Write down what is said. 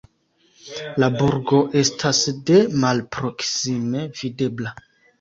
La burgo estas de malproksime videbla.